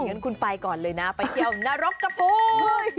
งั้นคุณไปก่อนเลยนะไปเที่ยวนรกกระพู